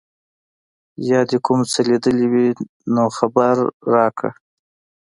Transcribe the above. یا دي کوم څه لیدلي وي نو خبر راکړه.